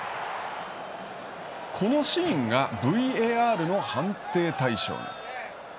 このシーンがＶＡＲの判定対象。